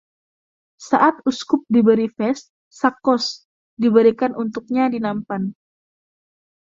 Saat uskup diberi vest, “sakkos” diberikan untuknya di nampan.